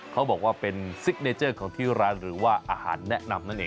เขาบอกว่าเป็นซิกเนเจอร์ของที่ร้านหรือว่าอาหารแนะนำนั่นเอง